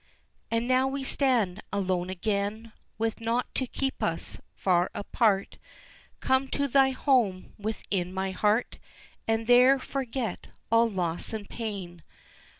And now we stand alone again, With naught to keep us far apart; Come to thy home within my heart, And there forget all loss and pain.